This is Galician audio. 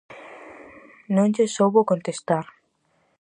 Non lles soubo contestar.